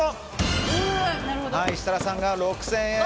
設楽さんが６０００円。